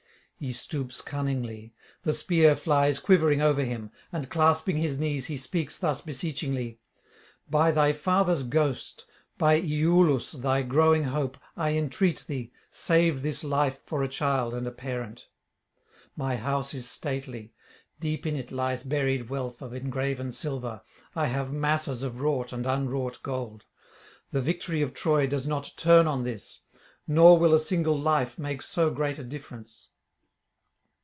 He stoops cunningly; the spear flies quivering over him; and, clasping his knees, he speaks thus beseechingly: 'By thy father's ghost, by Iülus thy growing hope, I entreat thee, save this life for a child and a parent. My house is stately; deep in it lies buried wealth of engraven silver; I have masses of wrought and unwrought gold. The victory of Troy does not turn on this, nor will a single life make so great a difference.'